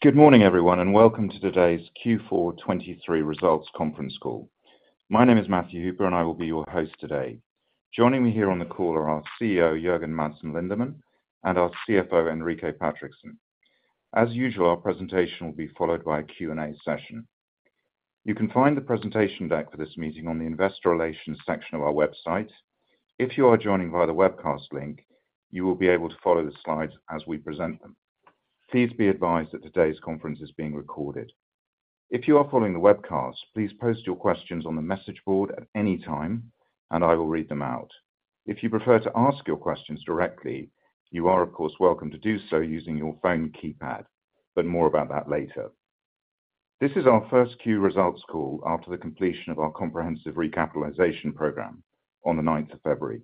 Good morning everyone, and welcome to today's Q4 2023 results conference call. My name is Matthew Hooper, and I will be your host today. Joining me here on the call are our CEO Jørgen Madsen Lindemann and our CFO Enrique Patrickson. As usual, our presentation will be followed by a Q&A session. You can find the presentation deck for this meeting on the investor relations section of our website. If you are joining via the webcast link, you will be able to follow the slides as we present them. Please be advised that today's conference is being recorded. If you are following the webcast, please post your questions on the message board at any time, and I will read them out. If you prefer to ask your questions directly, you are of course welcome to do so using your phone keypad, but more about that later. This is our first Q results call after the completion of our comprehensive recapitalization program on the 9th of February.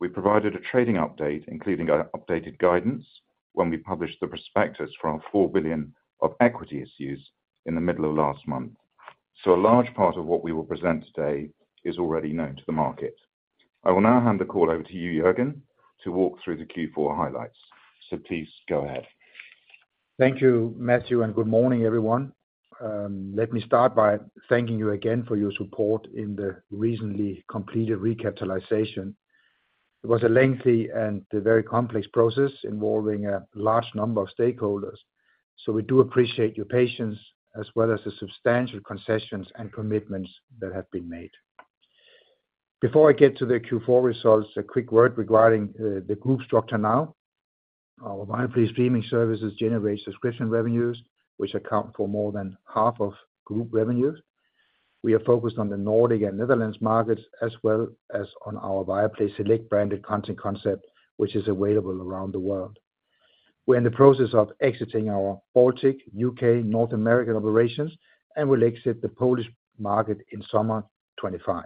We provided a trading update including updated guidance when we published the prospectus for our 4 billion of equity issues in the middle of last month, so a large part of what we will present today is already known to the market. I will now hand the call over to you, Jørgen, to walk through the Q4 highlights, so please go ahead. Thank you, Matthew, and good morning everyone. Let me start by thanking you again for your support in the recently completed recapitalization. It was a lengthy and very complex process involving a large number of stakeholders, so we do appreciate your patience as well as the substantial concessions and commitments that have been made. Before I get to the Q4 results, a quick word regarding the Group structure now. Our Viaplay streaming services generate subscription revenues, which account for more than half of Group revenues. We are focused on the Nordics and Netherlands markets as well as on our Viaplay Select branded content concept, which is available around the world. We're in the process of exiting our Baltics, U.K., North American operations, and we'll exit the Polish market in summer 2025.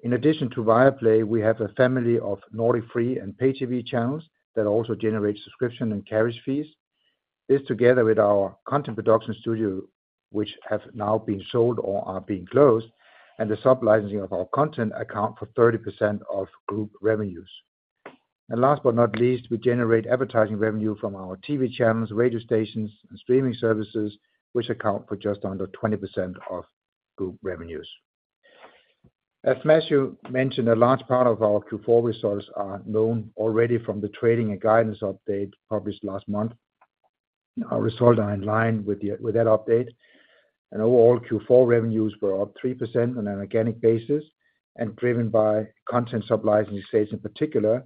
In addition to Viaplay, we have a family of Nordic Free and Pay TV channels that also generate subscription and carriage fees. This together with our content production studio, which have now been sold or are being closed, and the sub-licensing of our content account for 30% of group revenues. And last but not least, we generate advertising revenue from our TV channels, radio stations, and streaming services, which account for just under 20% of group revenues. As Matthew mentioned, a large part of our Q4 results are known already from the trading and guidance update published last month. Our results are in line with that update, and overall Q4 revenues were up 3% on an organic basis and driven by content sub-licensing strength in particular,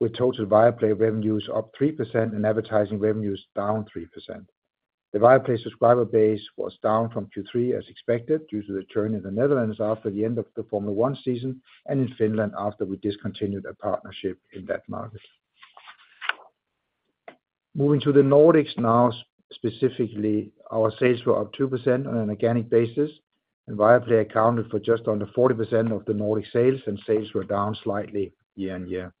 with total Viaplay revenues up 3% and advertising revenues down 3%. The Viaplay subscriber base was down from Q3 as expected due to the churn in the Netherlands after the end of the Formula One season and in Finland after we discontinued a partnership in that market. Moving to the Nordics now, specifically, our sales were up 2% on an organic basis, and Viaplay accounted for just under 40% of the Nordic sales, and sales were down slightly year-on-year.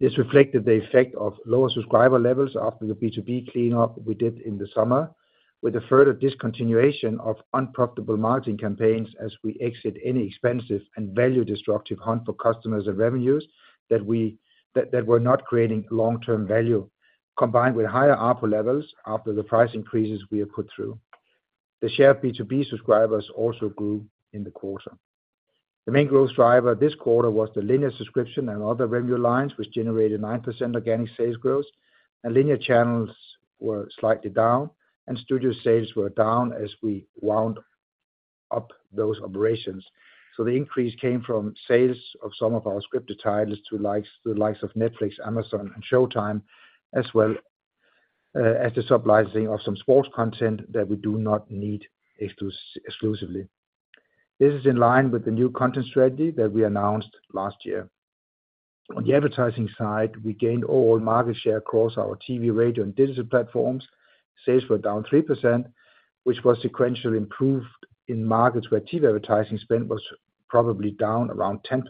This reflected the effect of lower subscriber levels after the B2B cleanup we did in the summer, with a further discontinuation of unprofitable marketing campaigns as we exit any expensive and value-destructive hunt for customers and revenues that we were not creating long-term value, combined with higher ARPU levels after the price increases we have put through. The share of B2B subscribers also grew in the quarter. The main growth driver this quarter was the linear subscription and other revenue lines, which generated 9% organic sales growth, and linear channels were slightly down, and studio sales were down as we wound up those operations. So the increase came from sales of some of our scripted titles to the likes of Netflix, Amazon, and Showtime, as well as the sub-licensing of some sports content that we do not need exclusively. This is in line with the new content strategy that we announced last year. On the advertising side, we gained overall market share across our TV, radio, and digital platforms. Sales were down 3%, which was sequentially improved in markets where TV advertising spend was probably down around 10%.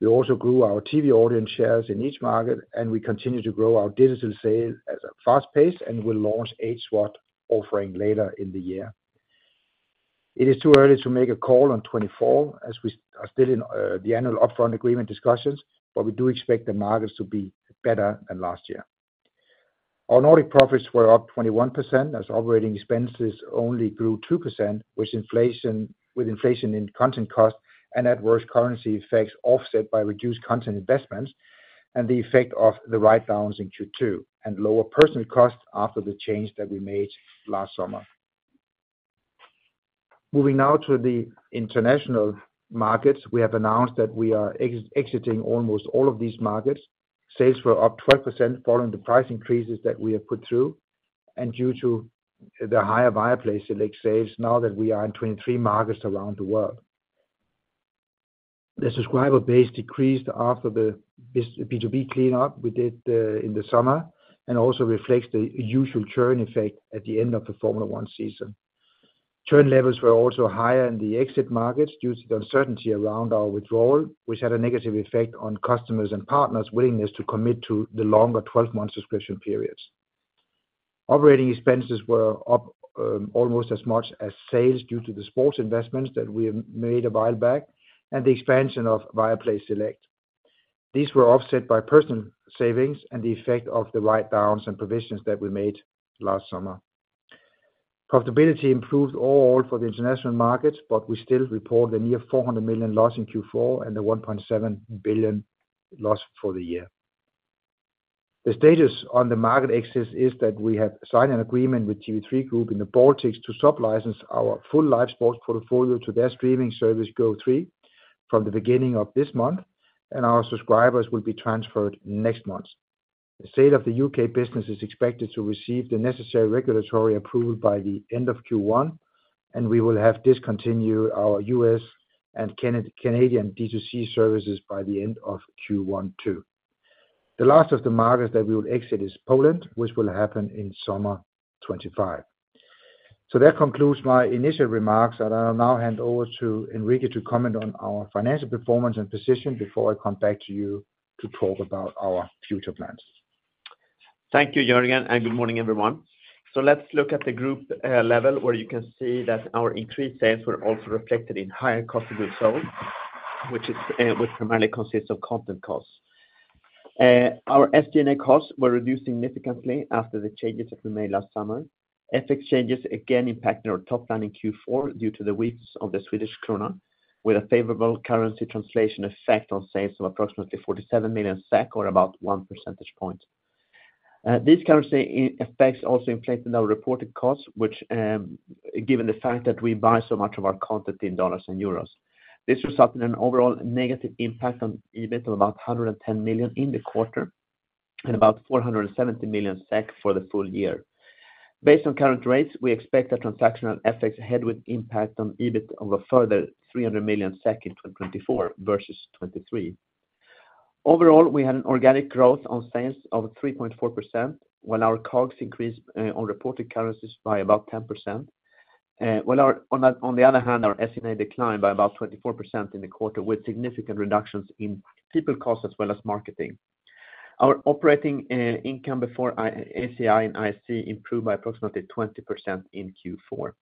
We also grew our TV audience shares in each market, and we continue to grow our digital sale at a fast pace, and we'll launch HVOD offering later in the year. It is too early to make a call on 2024 as we are still in the annual upfront agreement discussions, but we do expect the markets to be better than last year. Our Nordic profits were up 21% as operating expenses only grew 2%, with inflation with inflation in content costs and adverse currency effects offset by reduced content investments and the effect of the write-downs in Q2 and lower personal costs after the change that we made last summer. Moving now to the international markets, we have announced that we are exiting almost all of these markets. Sales were up 12% following the price increases that we have put through, and due to the higher Viaplay Select sales, now that we are in 23 markets around the world. The subscriber base decreased after the B2B cleanup we did, in the summer and also reflects the usual churn effect at the end of the Formula One season. Churn levels were also higher in the exit markets due to the uncertainty around our withdrawal, which had a negative effect on customers and partners' willingness to commit to the longer 12-month subscription periods. Operating expenses were up, almost as much as sales due to the sports investments that we made a while back and the expansion of Viaplay Select. These were offset by personnel savings and the effect of the write-downs and provisions that we made last summer. Profitability improved overall for the international markets, but we still report a near 400 million loss in Q4 and a 1.7 billion loss for the year. The status on the market exits is that we have signed an agreement with TV3 Group in the Baltics to sub-license our full live sports portfolio to their streaming service Go3 from the beginning of this month, and our subscribers will be transferred next month. The sale of the U.K. business is expected to receive the necessary regulatory approval by the end of Q1, and we will have discontinued our U.S. and Canadian D2C services by the end of 2024. The last of the markets that we will exit is Poland, which will happen in summer 2025. So that concludes my initial remarks, and I'll now hand over to Enrique to comment on our financial performance and position before I come back to you to talk about our future plans. Thank you, Jørgen, and good morning everyone. So let's look at the group level where you can see that our increased sales were also reflected in higher cost of goods sold, which primarily consists of content costs. Our SG&A costs were reduced significantly after the changes that we made last summer. FX changes again impacted our top line in Q4 due to the weakness of the Swedish krona, with a favorable currency translation effect on sales of approximately 47 million SEK or about 1 percentage point. This currency effect also inflated our reported costs, which, given the fact that we buy so much of our content in dollars and euros. This resulted in an overall negative impact on EBIT of about 110 million in the quarter and about 470 million SEK for the full year. Based on current rates, we expect that transactional FX headwind with impact on EBIT of a further 300 million SEK in 2024 versus 2023. Overall, we had an organic growth on sales of 3.4% while our COGS increased, on reported currencies by about 10%. While our, on the other hand, our SG&A declined by about 24% in the quarter with significant reductions in people costs as well as marketing. Our operating income before ACI and IAC improved by approximately 20% in Q4.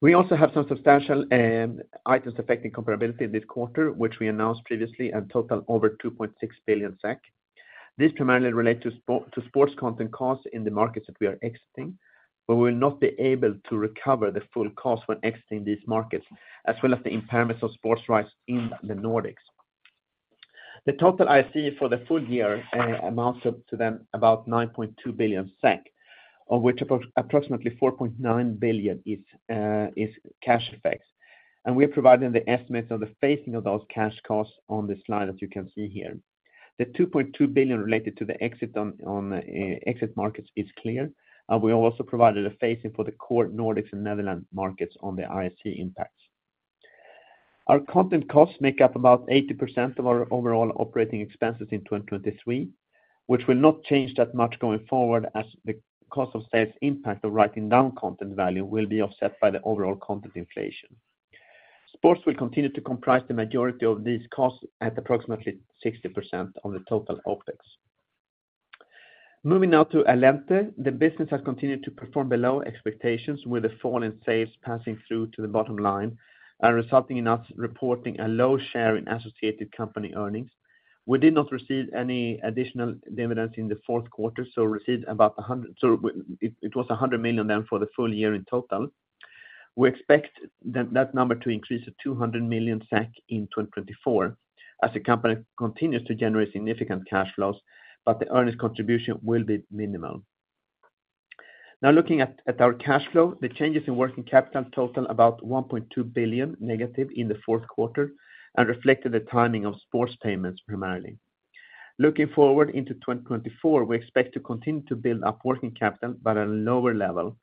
We also have some substantial items affecting comparability in this quarter, which we announced previously, a total over 2.6 billion SEK. This primarily relates to sports content costs in the markets that we are exiting, but we will not be able to recover the full costs when exiting these markets as well as the impairments of sports rights in the Nordics. The total IAC for the full year amounts to about 9.2 billion SEK, of which approximately 4.9 billion is cash effects. And we are providing the estimates of the phasing of those cash costs on the slide that you can see here. The 2.2 billion related to the exit markets is clear. We also provided a phasing for the core Nordics and Netherlands markets on the IAC impacts. Our content costs make up about 80% of our overall operating expenses in 2023, which will not change that much going forward as the cost of sales impact of writing down content value will be offset by the overall content inflation. Sports will continue to comprise the majority of these costs at approximately 60% of the total OpEx. Moving now to Allente, the business has continued to perform below expectations with the fall in sales passing through to the bottom line and resulting in us reporting a low share in associated company earnings. We did not receive any additional dividends in the fourth quarter, so received about, so it was 100 million then for the full year in total. We expect that that number to increase to 200 million in 2024 as the company continues to generate significant cash flows, but the earnings contribution will be minimal. Now looking at our cash flow, the changes in working capital total about negative 1.2 billion in the fourth quarter and reflected the timing of sports payments primarily. Looking forward into 2024, we expect to continue to build up working capital, but at a lower level.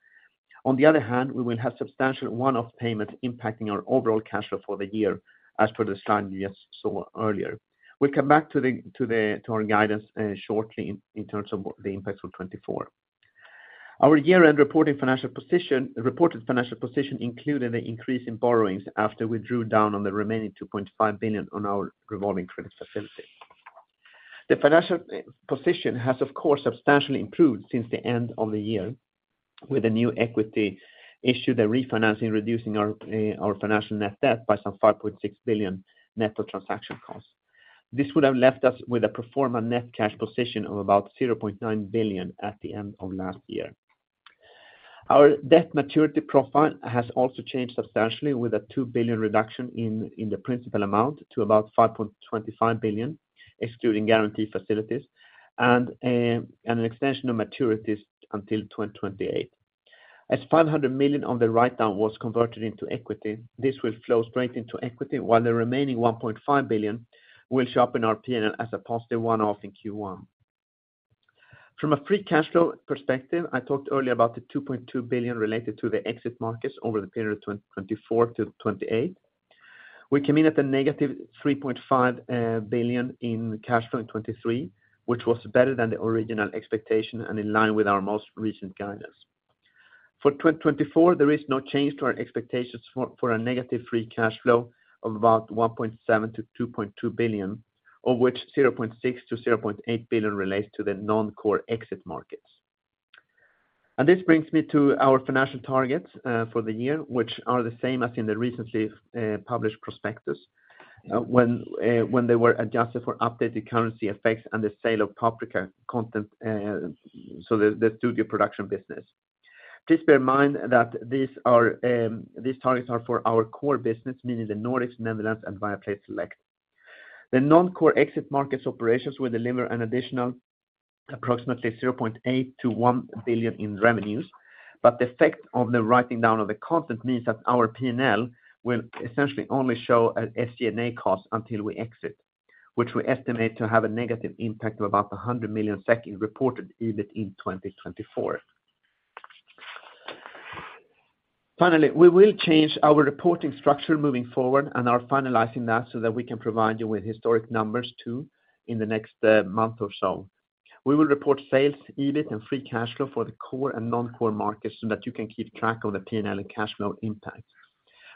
On the other hand, we will have substantial one-off payments impacting our overall cash flow for the year as per the slide you just saw earlier. We'll come back to our guidance shortly in terms of the impacts for 2024. Our year-end reported financial position included the increase in borrowings after we drew down on the remaining 2.5 billion on our revolving credit facility. The financial position has, of course, substantially improved since the end of the year with a new equity issue, the refinancing reducing our financial net debt by some 5.6 billion net of transaction costs. This would have left us with a performant net cash position of about 0.9 billion at the end of last year. Our debt maturity profile has also changed substantially with a 2 billion reduction in the principal amount to about 5.25 billion excluding guarantee facilities and an extension of maturities until 2028. As 500 million of the write-down was converted into equity, this will flow straight into equity while the remaining 1.5 billion will show in our P&L as a positive one-off in Q1. From a free cash flow perspective, I talked earlier about the 2.2 billion related to the exit markets over the period of 2024-2028. We came in at a negative 3.5 billion in cash flow in 2023, which was better than the original expectation and in line with our most recent guidance. For 2024, there is no change to our expectations for a negative free cash flow of about 1.7 billion-2.2 billion, of which 0.6 billion-0.8 billion relates to the non-core exit markets. This brings me to our financial targets for the year, which are the same as in the recently published prospectus, when they were adjusted for updated currency effects and the sale of Paprika content, so the studio production business. Please bear in mind that these targets are for our core business, meaning the Nordics, Netherlands, and Viaplay Select. The non-core exit markets operations will deliver an additional approximately 0.8 billion-1 billion in revenues, but the effect of the writing down of the content means that our P&L will essentially only show an SG&A cost until we exit, which we estimate to have a negative impact of about 100 million SEK in reported EBIT in 2024. Finally, we will change our reporting structure moving forward and are finalizing that so that we can provide you with historic numbers too in the next month or so. We will report sales, EBIT, and free cash flow for the core and non-core markets so that you can keep track of the P&L and cash flow impacts.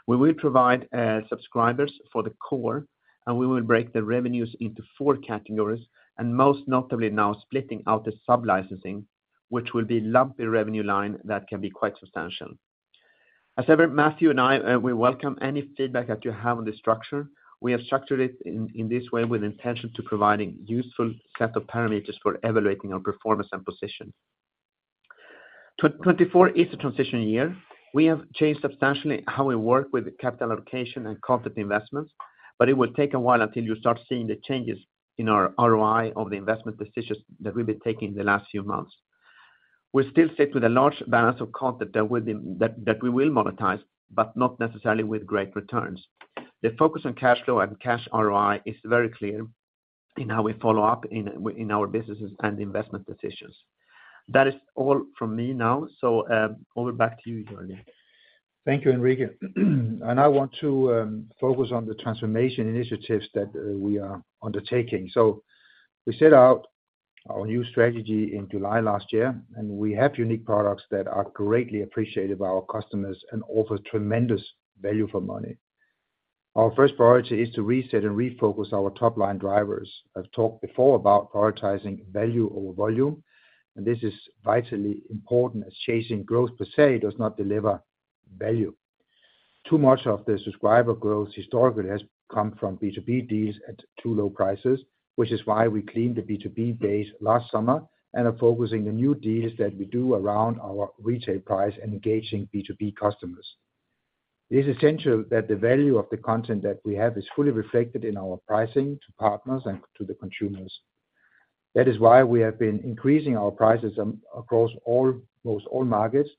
We will provide subscribers for the core, and we will break the revenues into four categories and most notably now splitting out the sub-licensing, which will be a lumpy revenue line that can be quite substantial. As ever, Matthew and I, we welcome any feedback that you have on the structure. We have structured it in this way with the intention to provide a useful set of parameters for evaluating our performance and position. 2024 is a transition year. We have changed substantially how we work with capital allocation and content investments, but it will take a while until you start seeing the changes in our ROI of the investment decisions that we've been taking in the last few months. We're still sitting with a large balance of content that we will monetize, but not necessarily with great returns. The focus on cash flow and cash ROI is very clear in how we follow up in our businesses and investment decisions. That is all from me now. So, over back to you, Jørgen. Thank you, Enrique. I want to focus on the transformation initiatives that we are undertaking. We set out our new strategy in July last year, and we have unique products that are greatly appreciated by our customers and offer tremendous value for money. Our first priority is to reset and refocus our top line drivers. I've talked before about prioritizing value over volume, and this is vitally important as chasing growth per se does not deliver value. Too much of the subscriber growth historically has come from B2B deals at too low prices, which is why we cleaned the B2B base last summer and are focusing the new deals that we do around our retail price and engaging B2B customers. It is essential that the value of the content that we have is fully reflected in our pricing to partners and to the consumers. That is why we have been increasing our prices across almost all markets.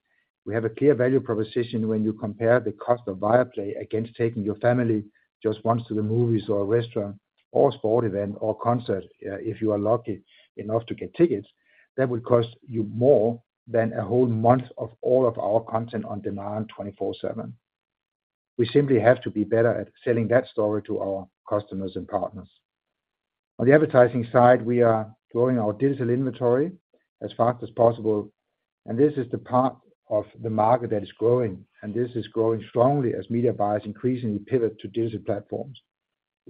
We have a clear value proposition when you compare the cost of Viaplay against taking your family just once to the movies or a restaurant or a sports event or concert, if you are lucky enough to get tickets, that will cost you more than a whole month of all of our content on demand 24/7. We simply have to be better at selling that story to our customers and partners. On the advertising side, we are growing our digital inventory as fast as possible, and this is the part of the market that is growing, and this is growing strongly as media buyers increasingly pivot to digital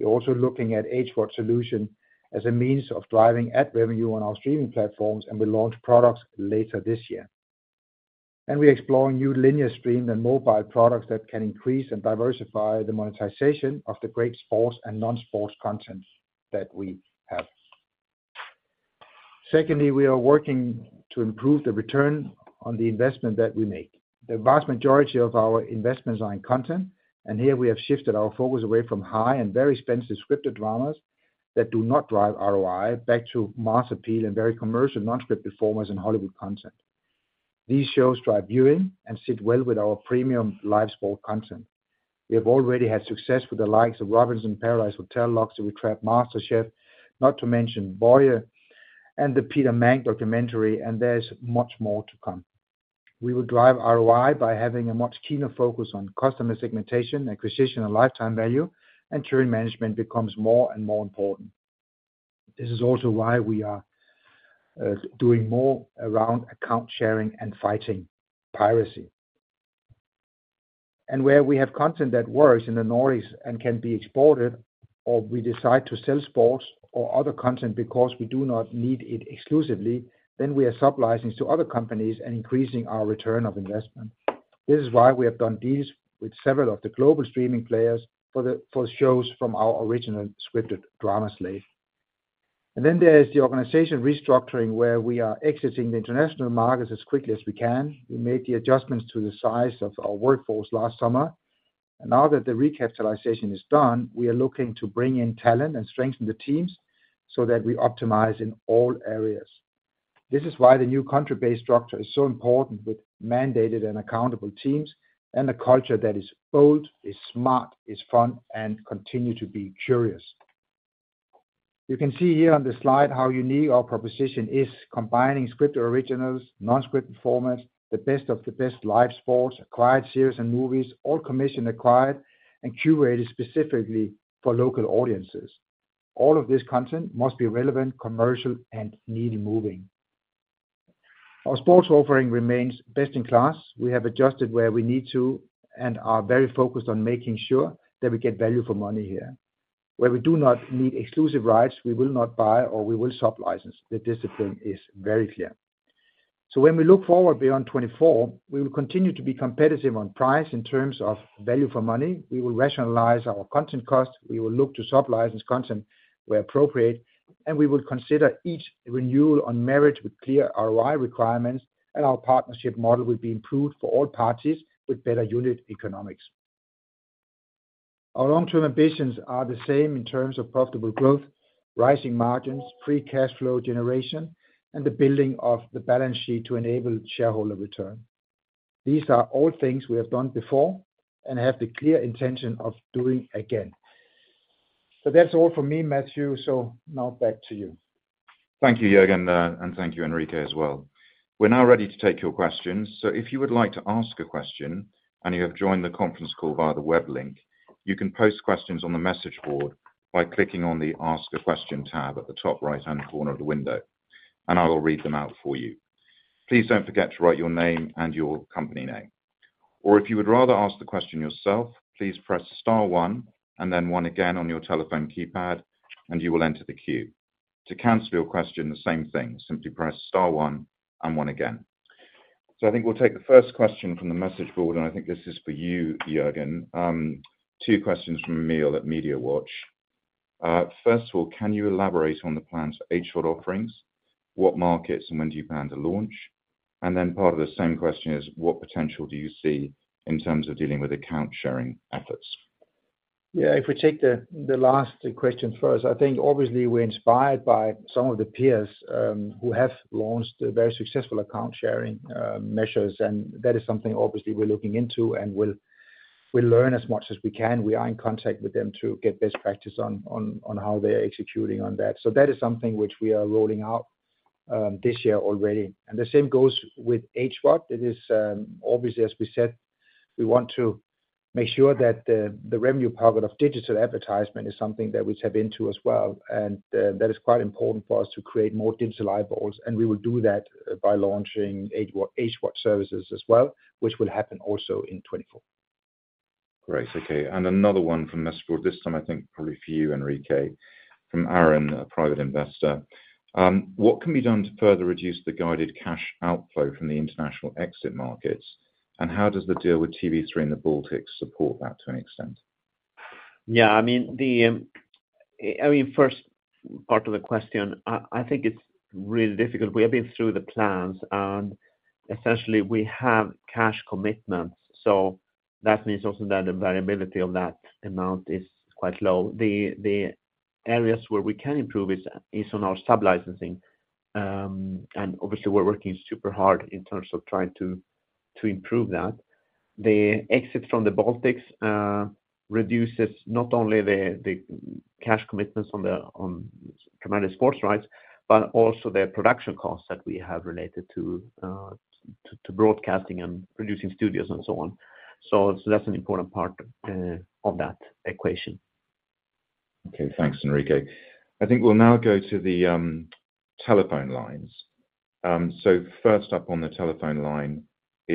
platforms. We're also looking at HVOD solution as a means of driving ad revenue on our streaming platforms, and we launch products later this year. We're exploring new linear stream and mobile products that can increase and diversify the monetization of the great sports and non-sports content that we have. Secondly, we are working to improve the return on the investment that we make. The vast majority of our investments are in content, and here we have shifted our focus away from high and very expensive scripted dramas that do not drive ROI back to mass appeal and very commercial non-scripted performers and Hollywood content. These shows drive viewing and sit well with our premium live sport content. We have already had success with the likes of Robinson, Paradise Hotel, Luxury Trap, MasterChef, not to mention Børje, and the Peter Mangs documentary, and there's much more to come. We will drive ROI by having a much keener focus on customer segmentation, acquisition, and lifetime value, and churn management becomes more and more important. This is also why we are doing more around account sharing and fighting piracy. Where we have content that works in the Nordics and can be exported, or we decide to sell sports or other content because we do not need it exclusively, then we are sub-licensing to other companies and increasing our return on investment. This is why we have done deals with several of the global streaming players for the shows from our original scripted drama slate. Then there is the organization restructuring where we are exiting the international markets as quickly as we can. We made the adjustments to the size of our workforce last summer, and now that the recapitalization is done, we are looking to bring in talent and strengthen the teams so that we optimize in all areas. This is why the new country-based structure is so important with mandated and accountable teams and a culture that is bold, is smart, is fun, and continues to be curious. You can see here on the slide how unique our proposition is combining scripted originals, non-scripted formats, the best of the best live sports, acquired series and movies, all commission acquired and curated specifically for local audiences. All of this content must be relevant, commercial, and needle moving. Our sports offering remains best in class. We have adjusted where we need to and are very focused on making sure that we get value for money here. Where we do not need exclusive rights, we will not buy, or we will sub-license. The discipline is very clear. So when we look forward beyond 2024, we will continue to be competitive on price in terms of value for money. We will rationalize our content costs. We will look to sub-license content where appropriate, and we will consider each renewal on merit with clear ROI requirements, and our partnership model will be improved for all parties with better unit economics. Our long-term ambitions are the same in terms of profitable growth, rising margins, free cash flow generation, and the building of the balance sheet to enable shareholder return. These are all things we have done before and have the clear intention of doing again. So that's all for me, Matthew. So now back to you. Thank you, Jørgen, and thank you, Enrique, as well. We're now ready to take your questions. So if you would like to ask a question and you have joined the conference call via the web link, you can post questions on the message board by clicking on the 'Ask a Question' tab at the top right-hand corner of the window, and I will read them out for you. Please don't forget to write your name and your company name or if you would rather ask the question yourself, please press star one and then one again on your telephone keypad, and you will enter the queue. To cancel your question, the same thing. Simply press star one and one again. So I think we'll take the first question from the message board, and I think this is for you, Jørgen. Two questions from Emil at MediaWatch. First of all, can you elaborate on the plans for HVOD offerings? What markets and when do you plan to launch? And then part of the same question is, what potential do you see in terms of dealing with account sharing efforts? Yeah, if we take the, the last questions first, I think obviously we're inspired by some of the peers, who have launched very successful account sharing measures, and that is something obviously we're looking into and will learn as much as we can. We are in contact with them to get best practice on, on, on how they are executing on that. So that is something which we are rolling out, this year already. And the same goes with HWOD. It is, obviously, as we said, we want to make sure that the, the revenue pocket of digital advertisement is something that we tap into as well. And, that is quite important for us to create more digital eyeballs. And we will do that, by launching HWOD services as well, which will happen also in 2024. Great. Okay. And another one from the message board, this time I think probably for you, Enrique, from Aaron, a private investor. What can be done to further reduce the guided cash outflow from the international exit markets, and how does the deal with TV3 in the Baltics support that to an extent? Yeah, I mean, the first part of the question, I think it's really difficult. We have been through the plans, and essentially we have cash commitments. So that means also that the variability of that amount is quite low. The areas where we can improve is on our sub-licensing, and obviously we're working super hard in terms of trying to improve that. The exit from the Baltics reduces not only the cash commitments on primarily sports rights, but also the production costs that we have related to broadcasting and producing studios and so on. So that's an important part of that equation. Okay. Thanks, Enrique. I think we'll now go to the telephone lines. So first up on the telephone line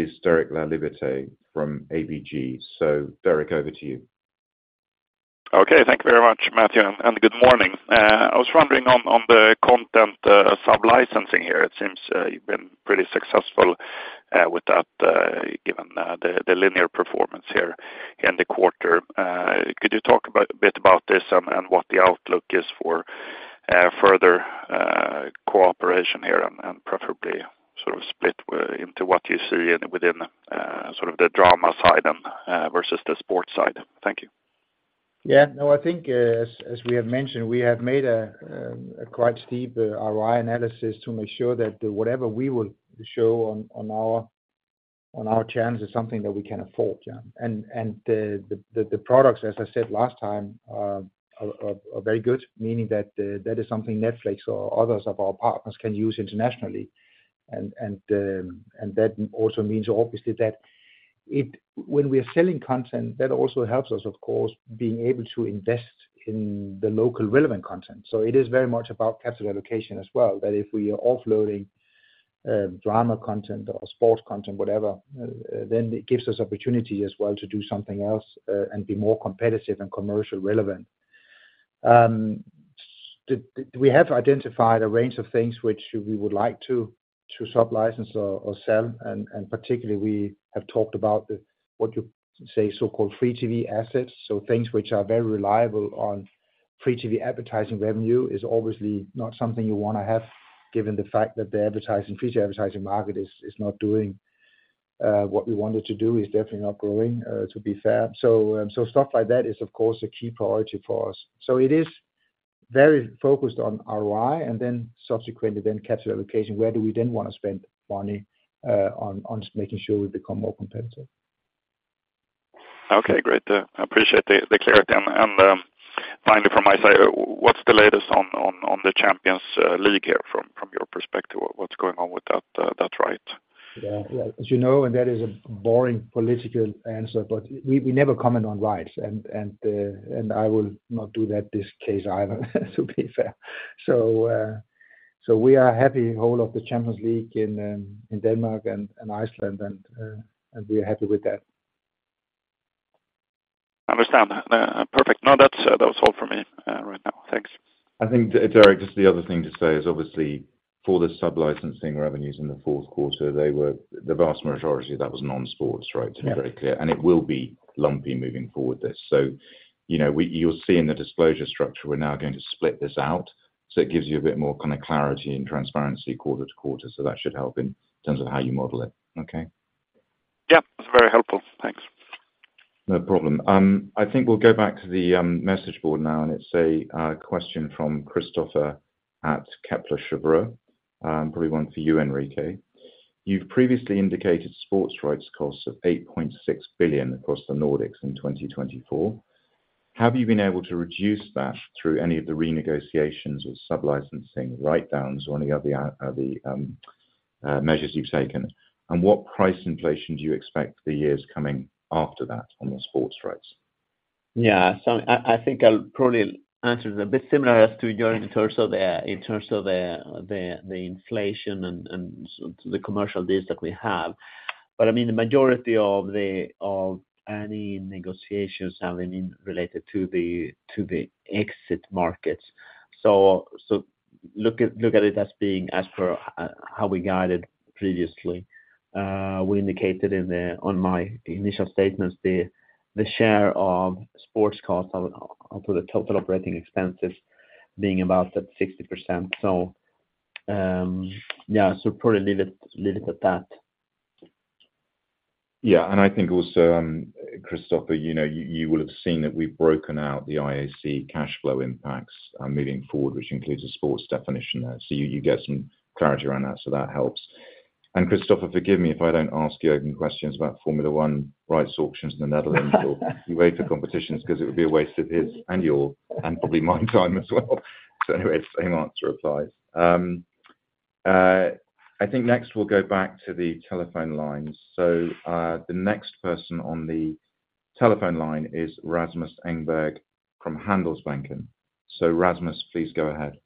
is Derek LaLiberté from ABG. So Derek, over to you. Okay. Thank you very much, Matthew, and good morning. I was wondering on the content sub-licensing here. It seems you've been pretty successful with that, given the linear performance here in the quarter. Could you talk a bit about this and what the outlook is for further cooperation here and preferably sort of split it into what you see within sort of the drama side and versus the sports side? Thank you. Yeah. No, I think, as we have mentioned, we have made a quite steep ROI analysis to make sure that whatever we will show on our channels is something that we can afford, yeah. And the products, as I said last time, are very good, meaning that is something Netflix or others of our partners can use internationally. And that also means obviously that when we are selling content, that also helps us, of course, being able to invest in the local relevant content. So it is very much about capital allocation as well, that if we are offloading drama content or sports content, whatever, then it gives us opportunity as well to do something else, and be more competitive and commercial relevant. We have identified a range of things which we would like to sub-license or sell. And particularly we have talked about the what you say so-called free TV assets. So things which are very reliable on free TV advertising revenue is obviously not something you want to have, given the fact that the advertising free TV advertising market is not doing what we wanted to do. It's definitely not growing, to be fair. So stuff like that is, of course, a key priority for us. So it is very focused on ROI and then subsequently capital allocation. Where do we then want to spend money on making sure we become more competitive? Okay. Great. I appreciate the clarity. And finally from my side, what's the latest on the Champions League here from your perspective? What's going on with that right? Yeah. As you know, that is a boring political answer, but we never comment on rights. And I will not do that in this case either, to be fair. So we are happy to hold the whole of the Champions League in Denmark and Iceland, and we are happy with that. Understood. Perfect. No, that's, that was all for me right now. Thanks. I think, Derek, just the other thing to say is obviously for the sub-licensing revenues in the fourth quarter, they were the vast majority of that was non-sports, right, to be very clear. And it will be lumpy moving forward this. So, you know, we, you'll see in the disclosure structure, we're now going to split this out. So it gives you a bit more kind of clarity and transparency quarter to quarter. So that should help in terms of how you model it. Okay? Yeah. That's very helpful. Thanks. No problem. I think we'll go back to the message board now, and it's a question from Christopher at Kepler Cheuvreux. Probably one for you, Enrique. You've previously indicated sports rights costs of 8.6 billion across the Nordics in 2024. Have you been able to reduce that through any of the renegotiations with sub-licensing, write-downs, or any of the measures you've taken? And what price inflation do you expect for the years coming after that on the sports rights? Yeah. So I think I'll probably answer it a bit similar as to Jørgen in terms of the inflation and the commercial deals that we have. But I mean, the majority of any negotiations have been related to the exit markets. So look at it as being as per how we guided previously. We indicated in my initial statements, the share of sports costs out of the total operating expenses being about 60%. So, yeah. So probably leave it at that. Yeah. And I think also, Christopher, you know, you, you will have seen that we've broken out the IAC cash flow impacts, moving forward, which includes a sports definition there. So you, you get some clarity around that. So that helps. Christopher, forgive me if I don't ask Jørgen questions about Formula One rights auctions in the Netherlands. You wait for competitions because it would be a waste of his and your and probably my time as well. So anyway, same answer applies. I think next we'll go back to the telephone lines. So, the next person on the telephone line is Rasmus Engberg from Handelsbanken. So Rasmus, please go ahead.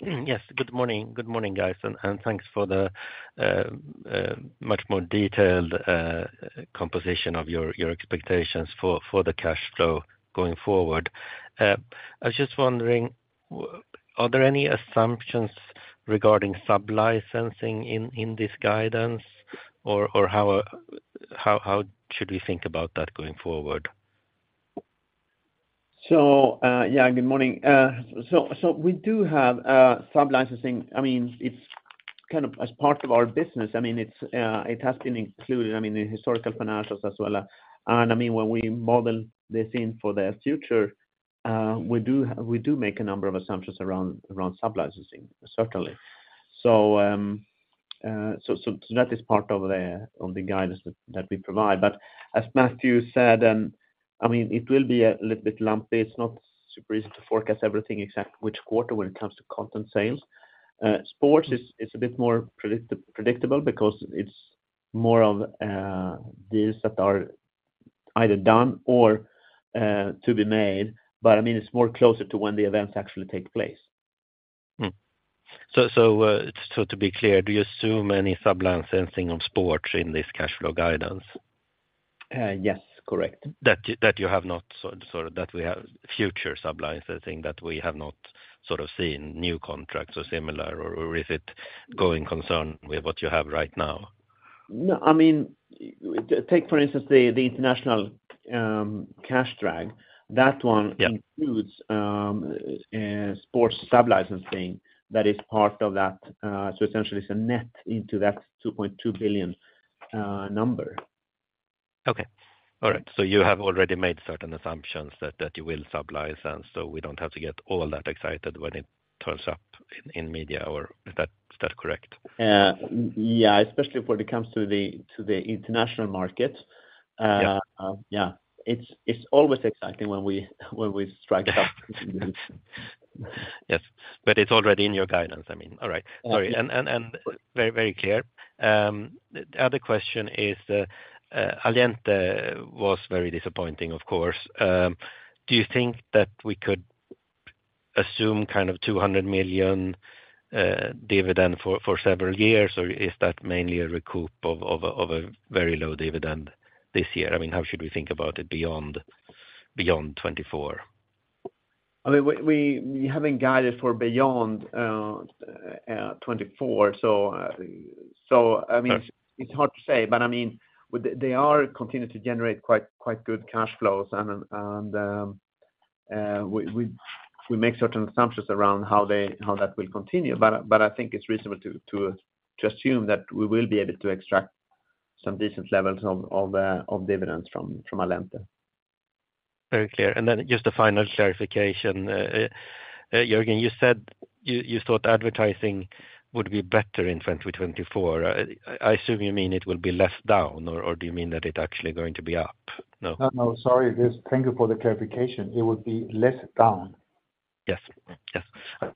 Yes. Good morning, guys. And thanks for the much more detailed composition of your expectations for the cash flow going forward. I was just wondering, are there any assumptions regarding sub-licensing in this guidance, or how should we think about that going forward? So, yeah, good morning. So we do have sub-licensing. I mean, it's kind of as part of our business. I mean, it's, it has been included, I mean, in historical financials as well. And I mean, when we model this in for the future, we do make a number of assumptions around sub-licensing, certainly. So that is part of the guidance that we provide. But as Matthew said, I mean, it will be a little bit lumpy. It's not super easy to forecast everything exactly which quarter when it comes to content sales. Sports is a bit more predictable because it's more of deals that are either done or to be made. But I mean, it's more closer to when the events actually take place. So, to be clear, do you assume any sub-licensing of sports in this cash flow guidance? Yes. Correct. That you have not so sort of seen that we have future sub-licensing that we have not sort of seen new contracts or similar or is it going concern with what you have right now? No. I mean, take for instance the international cash drag. That one includes sports sub-licensing that is part of that, so essentially it's a net into that 2.2 billion number. Okay. All right. So you have already made certain assumptions that you will sublicense, so we don't have to get all that excited when it turns up in media. Is that correct? Yeah, especially when it comes to the international market. Yeah. It's always exciting when we strike it up. Yes. But it's already in your guidance, I mean. All right. Very, very clear. The other question is, Allente was very disappointing, of course. Do you think that we could assume kind of 200 million dividend for several years, or is that mainly a recoup of a very low dividend this year? I mean, how should we think about it beyond 2024? I mean, we haven't guided for beyond 2024. So, I mean it's hard to say. But I mean, they continue to generate quite good cash flows. And we make certain assumptions around how that will continue. But I think it's reasonable to assume that we will be able to extract some decent levels of dividends from Allente. Very clear. And then just a final clarification, Jørgen. You said you thought advertising would be better in 2024. I assume you mean it will be less down, or do you mean that it's actually going to be up? No, no. Sorry. Just thank you for the clarification. It would be less down. Yes.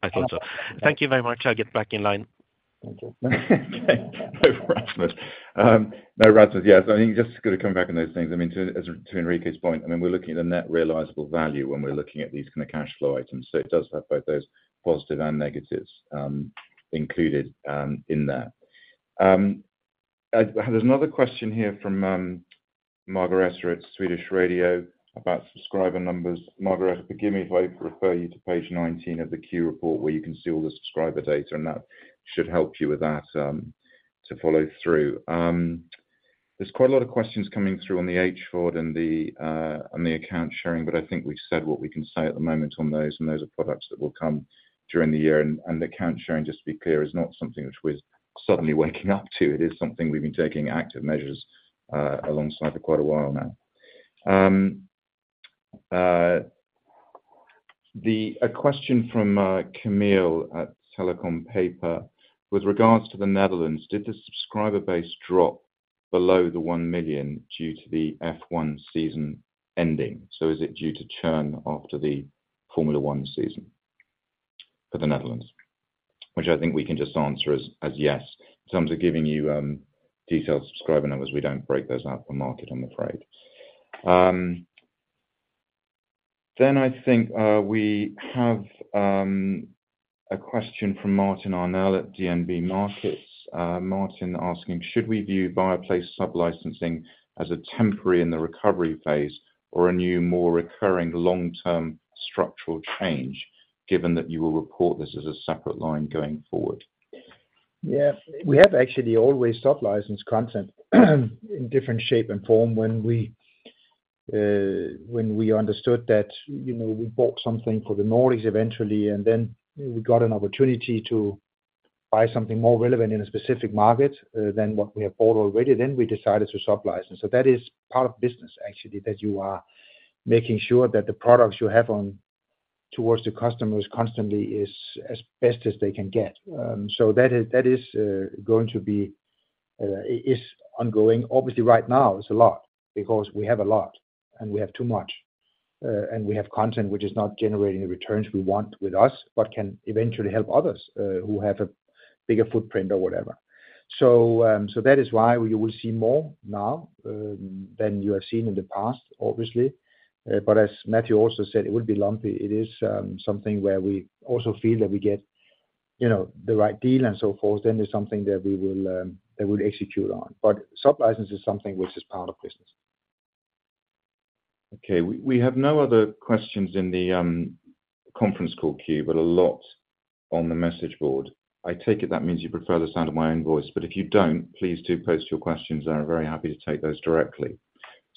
I thought so. Thank you very much. I'll get back in line. Thank you. Thanks, Rasmus. No, Rasmus, yeah. So I think just going to come back on those things. I mean, to as to Enrique's point, I mean, we're looking at the net realizable value when we're looking at these kind of cash flow items. So it does have both those positive and negatives, included, in that. There's another question here from Margaretha at Swedish Radio about subscriber numbers. Margaretha, forgive me if I refer you to page 19 of the Q report where you can see all the subscriber data, and that should help you with that, to follow through. There's quite a lot of questions coming through on the HVOD and the, on the account sharing, but I think we've said what we can say at the moment on those. And those are products that will come during the year. And account sharing, just to be clear, is not something which we're suddenly waking up to. It is something we've been taking active measures, alongside for quite a while now. A question from Kamila at Telecompaper with regards to the Netherlands. Did the subscriber base drop below the 1 million due to the F1 season ending? So is it due to churn after the Formula One season for the Netherlands, which I think we can just answer as yes. In terms of giving you detailed subscriber numbers, we don't break those out for market, I'm afraid. Then I think we have a question from Martin Arnell at DNB Markets. Martin asking, should we view Viaplay sub-licensing as a temporary in the recovery phase or a new, more recurring long-term structural change, given that you will report this as a separate line going forward? Yeah. We have actually always sub-licensed content in different shape and form when we understood that, you know, we bought something for the Nordics eventually, and then we got an opportunity to buy something more relevant in a specific market, than what we have bought already. Then we decided to sub-license. So that is part of business, actually, that you are making sure that the products you have on towards the customers constantly is as best as they can get. So that is that is, going to be, is ongoing. Obviously, right now, it's a lot because we have a lot, and we have too much. And we have content which is not generating the returns we want with us but can eventually help others, who have a bigger footprint or whatever. So that is why you will see more now than you have seen in the past, obviously. But as Matthew also said, it will be lumpy. It is something where we also feel that we get, you know, the right deal and so forth. Then it's something that we will, that we'll execute on. But sub-license is something which is part of business. Okay. We have no other questions in the conference call queue, but a lot on the message board. I take it that means you prefer the sound of my voice. But if you don't, please do post your questions. I'm very happy to take those directly.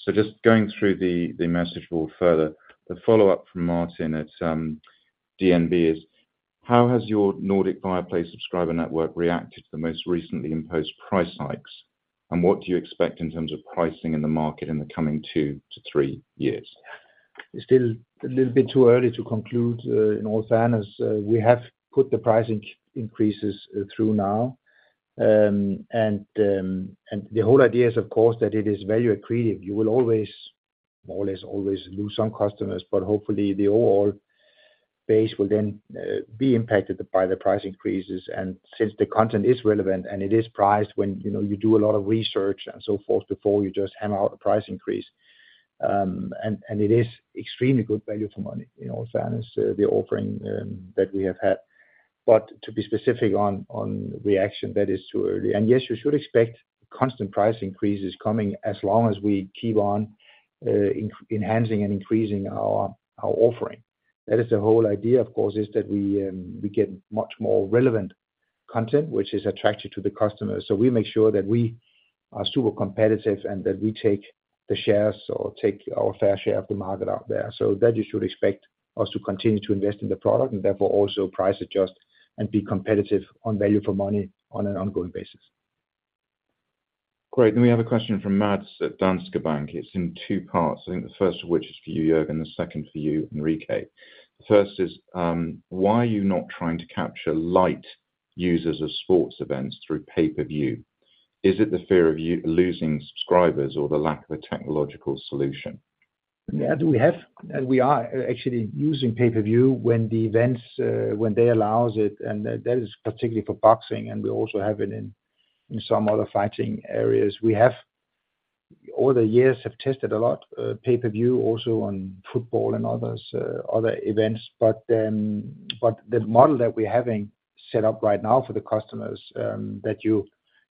So just going through the message board further, the follow-up from Martin at DNB is, how has your Nordic Viaplay subscriber base reacted to the most recently imposed price hikes? And what do you expect in terms of pricing in the market in the coming 2 years-3 years? It's still a little bit too early to conclude, in all fairness. We have put the pricing increases through now. And the whole idea is, of course, that it is value accretive. You will always always, always lose some customers, but hopefully, the overall base will then be impacted by the price increases. And since the content is relevant and it is priced when, you know, you do a lot of research and so forth before you just hammer out a price increase, and it is extremely good value for money, in all fairness, the offering that we have had. But to be specific on reaction, that is too early. And yes, you should expect constant price increases coming as long as we keep on enhancing and increasing our offering. That is the whole idea, of course, is that we, we get much more relevant content which is attractive to the customers. So we make sure that we are super competitive and that we take the shares or take our fair share of the market out there. So that you should expect us to continue to invest in the product and therefore also price adjust and be competitive on value for money on an ongoing basis. Great. And we have a question from Mads at Danske Bank. It's in two parts. I think the first of which is for you, Jørgen, and the second for you, Enrique. The first is, why are you not trying to capture light users of sports events through pay-per-view? Is it the fear of you losing subscribers or the lack of a technological solution? Yeah. Do we have? And we are actually using pay-per-view when the events, when they allow it. And that is particularly for boxing. And we also have it in, in some other fighting areas. We have all the years have tested a lot, pay-per-view also on football and others, other events. But, but the model that we're having set up right now for the customers, that you,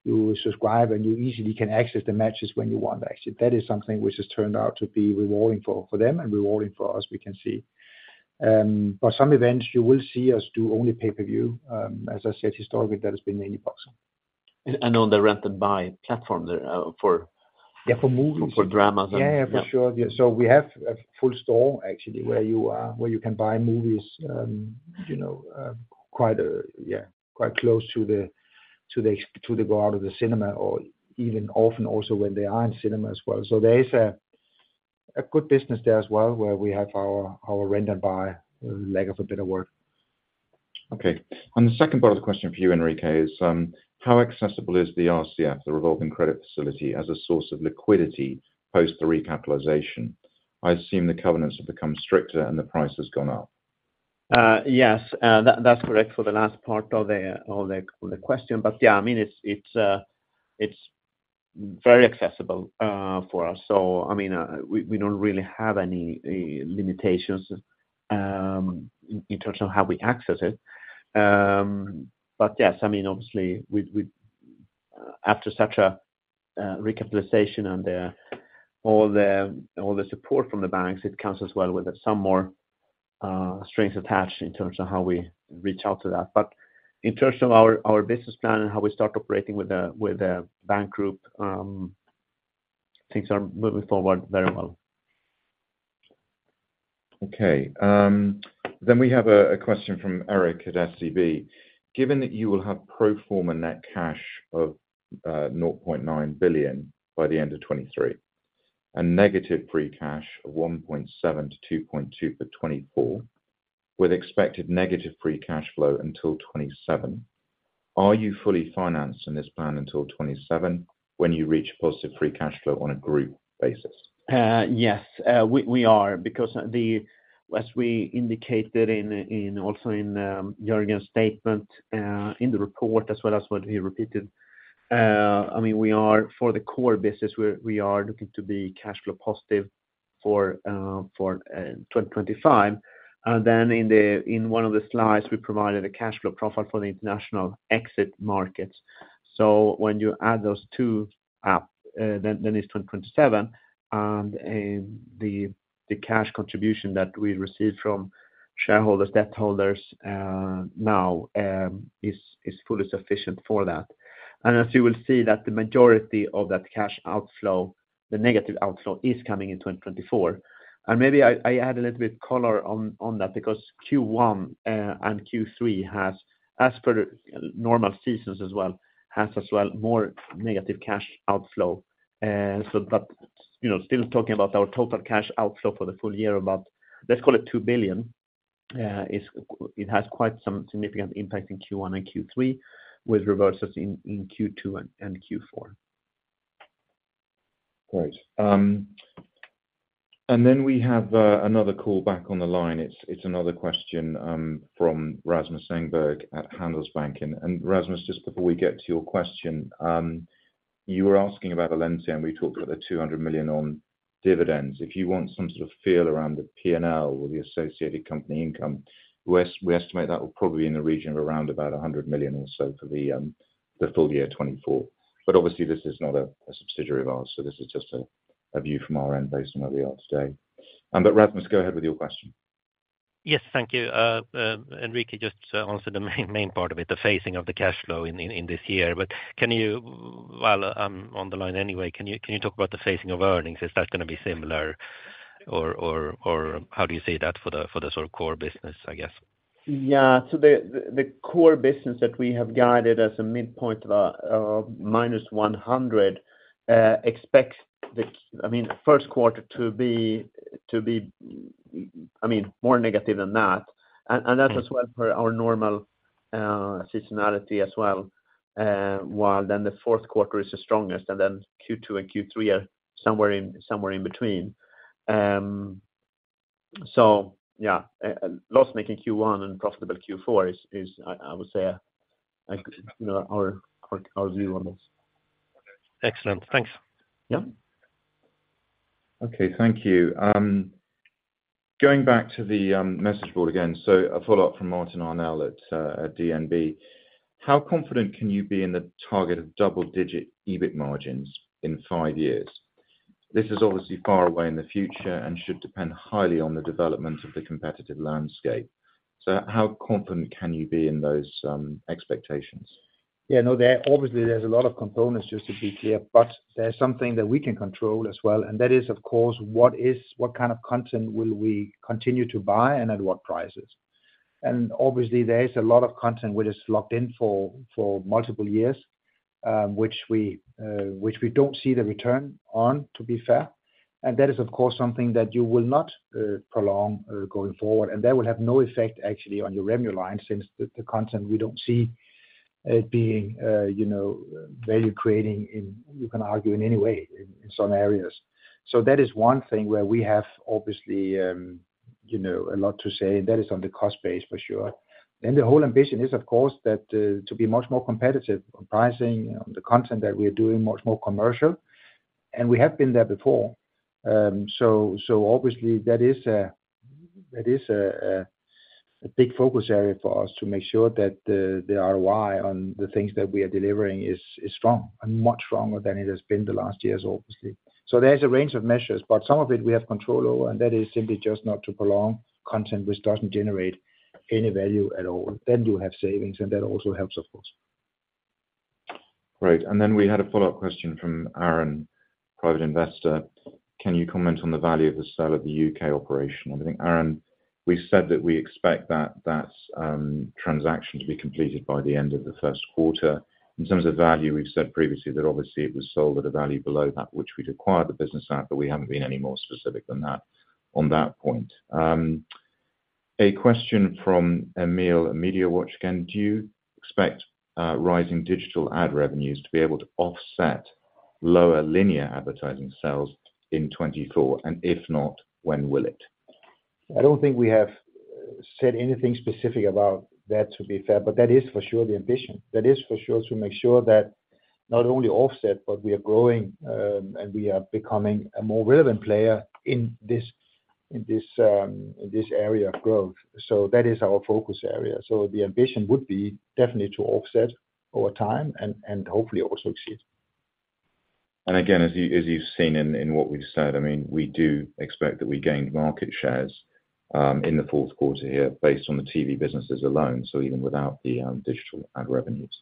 you subscribe and you easily can access the matches when you want, actually, that is something which has turned out to be rewarding for, for them and rewarding for us, we can see. But some events, you will see us do only pay-per-view. As I said, historically, that has been mainly boxing. And on the rent-and-buy platform there, for dramas. Yeah. Yeah. For sure. Yeah. So we have a full store, actually, where you can buy movies, you know, quite close to the go out of the cinema or even often also when they are in cinema as well. So there is a good business there as well where we have our rent-and-buy, lack of a better word. Okay. And the second part of the question for you, Enrique, is, how accessible is the RCF, the revolving credit facility, as a source of liquidity post the recapitalization? I assume the covenants have become stricter and the price has gone up. Yes. That's correct for the last part of the question. But yeah, I mean, it's very accessible for us. So I mean, we don't really have any limitations in terms of how we access it. But yes, I mean, obviously, we, after such a recapitalization and all the support from the banks, it comes as well with some more strings attached in terms of how we reach out to that. But in terms of our business plan and how we start operating with the bank group, things are moving forward very well. Okay. Then we have a question from Erik at SEB. Given that you will have pro forma net cash of 0.9 billion by the end of 2023 and negative free cash of 1.7 billion-2.2 billion for 2024 with expected negative free cash flow until 2027, are you fully financed in this plan until 2027 when you reach positive free cash flow on a group basis? Yes. We are because, as we indicated in, also in Jørgen's statement, in the report as well as what he repeated, I mean, we are for the core business. We are looking to be cash flow positive for 2025. And then in one of the slides, we provided a cash flow profile for the international exit markets. So when you add those two up, then it's 2027. And the cash contribution that we receive from shareholders, debt holders now, is fully sufficient for that. And as you will see that the majority of that cash outflow, the negative outflow, is coming in 2024. And maybe I add a little bit color on that because Q1 and Q3 has, as per normal seasons as well, has more negative cash outflow. But, you know, still talking about our total cash outflow for the full year, about let's call it 2 billion, it has quite some significant impact in Q1 and Q3 with reversals in Q2 and Q4. Great. Then we have another call back on the line. It's another question from Rasmus Engberg at Handelsbanken. And Rasmus, just before we get to your question, you were asking about Allente. And we talked about the 200 million on dividends. If you want some sort of feel around the P&L or the associated company income, we estimate that will probably be in the region of around about 100 million or so for the full year 2024. But obviously, this is not a subsidiary of ours. So this is just a view from our end based on where we are today. But Rasmus, go ahead with your question. Yes. Thank you. Enrique just answered the main part of it, the phasing of the cash flow in this year. But can you, while I'm on the line anyway, can you talk about the phasing of earnings? Is that going to be similar or how do you see that for the sort of core business, I guess? Yeah. So the core business that we have guided as a midpoint of minus 100 expects the, I mean, first quarter to be, I mean, more negative than that. And that's as well for our normal seasonality as well, while then the fourth quarter is the strongest. And then Q2 and Q3 are somewhere in between. So yeah, loss-making Q1 and profitable Q4 is, I would say, you know, our view on this. Excellent. Thanks. Yeah. Okay. Thank you. Going back to the message board again, so a follow-up from Martin Arnell at DNB. How confident can you be in the target of double-digit EBIT margins in five years? This is obviously far away in the future and should depend highly on the development of the competitive landscape. So how confident can you be in those expectations? Yeah. No. There obviously, there's a lot of components, just to be clear. But there's something that we can control as well. And that is, of course, what is what kind of content will we continue to buy and at what prices? And obviously, there is a lot of content we're just locked in for multiple years, which we, which we don't see the return on, to be fair. And that is, of course, something that you will not, prolong, going forward. And that will have no effect, actually, on your revenue line since the, the content we don't see, being, you know, value-creating in you can argue in any way in, in some areas. So that is one thing where we have obviously, you know, a lot to say. And that is on the cost base, for sure. Then the whole ambition is, of course, that to be much more competitive on pricing, on the content that we are doing, much more commercial. And we have been there before. So obviously, that is a big focus area for us to make sure that the ROI on the things that we are delivering is strong and much stronger than it has been the last years, obviously. So there's a range of measures. But some of it, we have control over. And that is simply just not to prolong content which doesn't generate any value at all. Then you have savings. And that also helps, of course. Great. And then we had a follow-up question from Aaron, private investor. Can you comment on the value of the sale of the U.K. operation? And I think, Aaron, we said that we expect that transaction to be completed by the end of the first quarter. In terms of value, we've said previously that, obviously, it was sold at a value below that which we'd acquired the business at. But we haven't been any more specific than on that point. A question from Emil at MediaWatch again. Do you expect rising digital ad revenues to be able to offset lower linear advertising sales in 2024? And if not, when will it? I don't think we have said anything specific about that, to be fair. But that is for sure the ambition. That is for sure to make sure that not only offset, but we are growing, and we are becoming a more relevant player in this area of growth. So that is our focus area. So the ambition would be definitely to offset over time and hopefully also exceed. And again, as you've seen in what we've said, I mean, we do expect that we gained market shares in the fourth quarter here based on the TV businesses alone, so even without the digital ad revenues.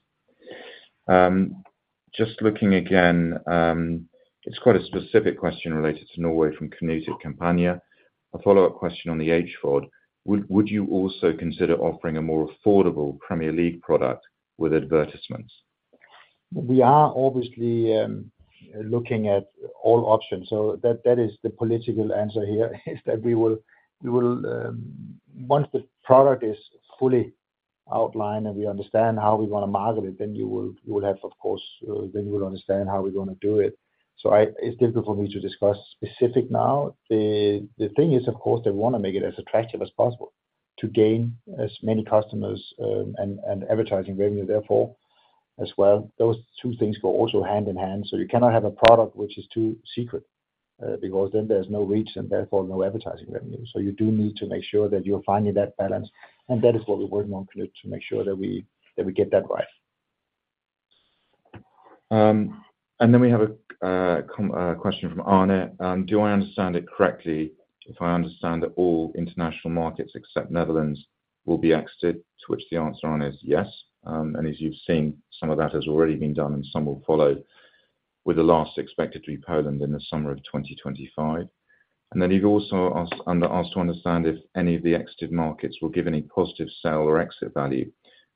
Just looking again, it's quite a specific question related to Norway from Knut at Kampanje. A follow-up question on the HVOD. Would you also consider offering a more affordable Premier League product with advertisements? We are obviously looking at all options. So that is the political answer here, is that we will, once the product is fully outlined and we understand how we want to market it, then you will have, of course then you will understand how we're going to do it. So it's difficult for me to discuss specific now. The thing is, of course, they want to make it as attractive as possible to gain as many customers, and advertising revenue, therefore, as well. Those two things go also hand in hand. So you cannot have a product which is too secret, because then there's no reach and, therefore, no advertising revenue. So you do need to make sure that you're finding that balance. And that is what we're working on, Knut, to make sure that we get that right. And then we have a question from Arne. Do I understand it correctly if I understand that all international markets except Netherlands will be exited, to which the answer on is yes? And as you've seen, some of that has already been done. And some will follow with the last expected to be Poland in the summer of 2025. And then he's also asked under asked to understand if any of the exited markets will give any positive sale or exit value.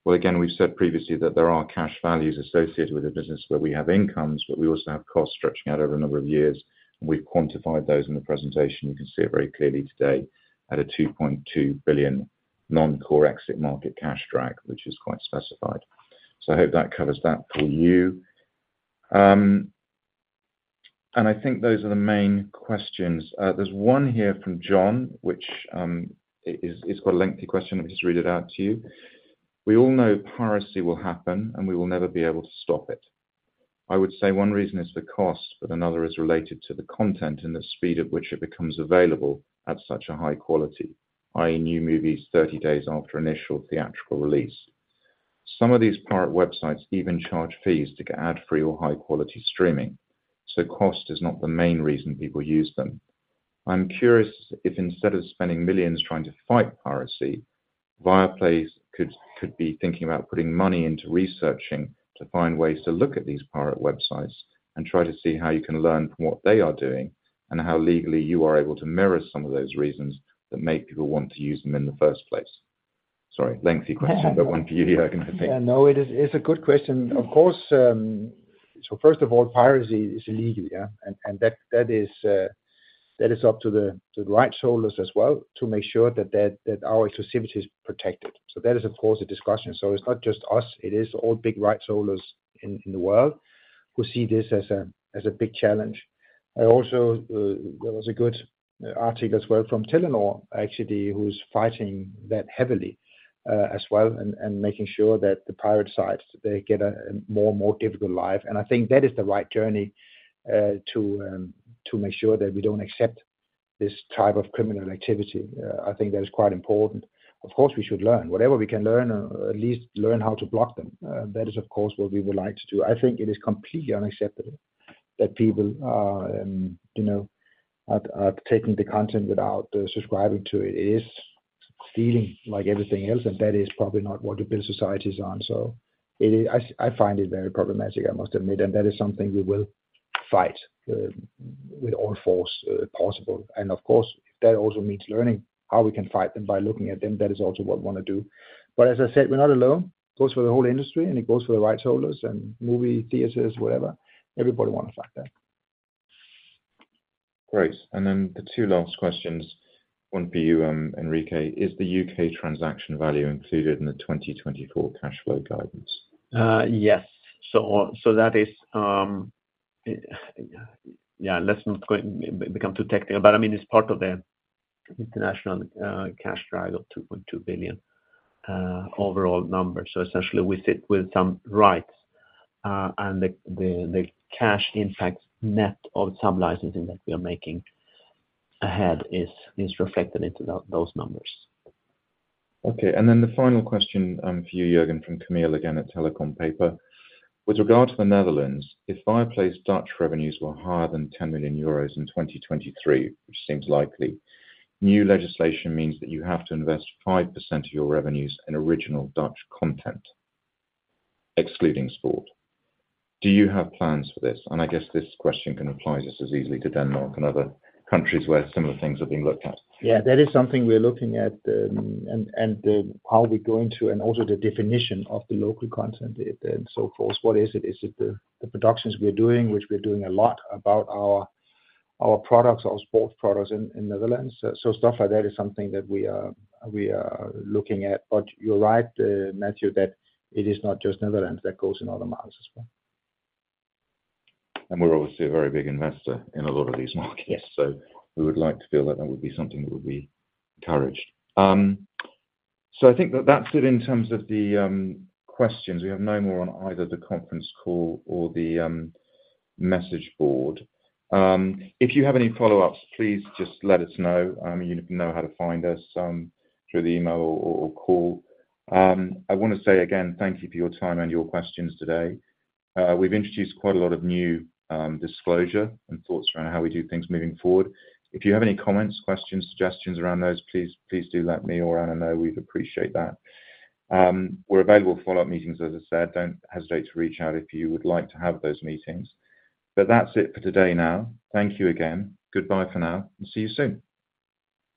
Well, again, we've said previously that there are cash values associated with a business where we have incomes, but we also have costs stretching out over a number of years. And we've quantified those in the presentation. You can see it very clearly today at a 2.2 billion non-core exit market cash drag, which is quite specified. So I hope that covers that for you. I think those are the main questions. There's one here from John, which it's quite a lengthy question. I'll just read it out to you. "We all know piracy will happen, and we will never be able to stop it. I would say one reason is the cost, but another is related to the content and the speed at which it becomes available at such a high quality, i.e., new movies 30 days after initial theatrical release. Some of these pirate websites even charge fees to get ad-free or high-quality streaming. So cost is not the main reason people use them. I'm curious if, instead of spending millions trying to fight piracy, Viaplay could be thinking about putting money into researching to find ways to look at these pirate websites and try to see how you can learn from what they are doing and how legally you are able to mirror some of those reasons that make people want to use them in the first place?" Sorry, lengthy question, but one for you, Jørgen, I think. Yeah. No. It's a good question. Of course, so first of all, piracy is illegal, yeah? And that is up to the rights holders as well to make sure that our exclusivity is protected. So that is, of course, a discussion. So it's not just us. It is all big rights holders in the world who see this as a big challenge. I also, there was a good article as well from Telenor, actually, who's fighting that heavily as well and making sure that the pirate sites get a more and more difficult life. And I think that is the right journey, to make sure that we don't accept this type of criminal activity. I think that is quite important. Of course, we should learn. Whatever we can learn, or at least learn how to block them. That is, of course, what we would like to do. I think it is completely unacceptable that people are, you know, taking the content without subscribing to it. It is feeling like everything else. And that is probably not what you build societies on. So it is, I find it very problematic, I must admit. And that is something we will fight with all force possible. And of course, if that also means learning how we can fight them by looking at them, that is also what we want to do. But as I said, we're not alone. It goes for the whole industry. And it goes for the rights holders and movie theaters, whatever. Everybody want to fight that. Great. And then the two last questions, one for you, Enrique. Is the U.K. transaction value included in the 2024 cash flow guidance? Yes. So that is, yeah, let's not going to become too technical. But I mean, it's part of the international cash drag of 2.2 billion overall numbers. So essentially, we sit with some rights and the cash impacts net of sub-licensing that we are making ahead is reflected into those numbers. Okay. And then the final question, for you, Jørgen, from Kamila again at Telecompaper. "With regard to the Netherlands, if Viaplay's Dutch revenues were higher than 10 million euros in 2023, which seems likely, new legislation means that you have to invest 5% of your revenues in original Dutch content, excluding sport. Do you have plans for this?" And I guess this question can apply just as easily to Denmark and other countries where similar things are being looked at. Yeah. That is something we're looking at, and how we're going to and also the definition of the local content and so forth. What is it? Is it the productions we're doing, which we're doing a lot about our products, our sports products in Netherlands? So stuff like that is something that we are looking at. But you're right, Matthew, that it is not just Netherlands. That goes in other markets as well. We're obviously a very big investor in a lot of these markets. We would like to feel that that would be something that would be encouraged. I think that that's it in terms of the questions. We have no more on either the conference call or the message board. If you have any follow-ups, please just let us know. You know how to find us through the email or call. I want to say again, thank you for your time and your questions today. We've introduced quite a lot of new disclosure and thoughts around how we do things moving forward. If you have any comments, questions, suggestions around those, please do let me or Anna know. We'd appreciate that. We're available for follow-up meetings, as I said. Don't hesitate to reach out if you would like to have those meetings. That's it for today now. Thank you again. Goodbye for now. See you soon.